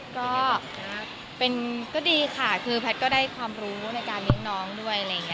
ก็ดีค่ะคือพลัทก็ได้ความรู้ในการเลี้ยงน้องด้วย